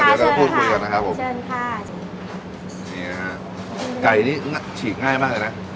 เดี๋ยวเราจะพูดคุยกันนะครับผมเชิญค่ะเนี่ยฮะไก่นี้ฉีกง่ายมากเลยนะ